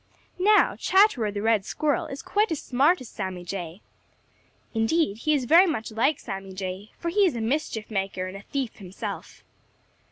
Now Chatterer the Red Squirrel is quite as smart as Sammy Jay. Indeed, he is very much like Sammy Jay, for he is a mischief maker and a thief himself.